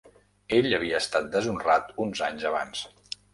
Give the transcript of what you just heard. Ell havia estat deshonrat uns anys abans.